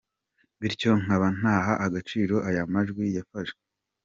Bityo nkaba ntaha agaciro aya majwi yafashwe.